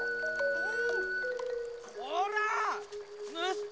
うん。